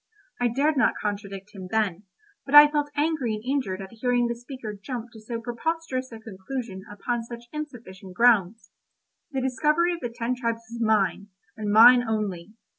I dared not contradict him then, but I felt angry and injured at hearing the speaker jump to so preposterous a conclusion upon such insufficient grounds. The discovery of the ten tribes was mine, and mine only.